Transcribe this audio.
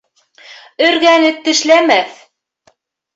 Өргән эт тешләмәҫ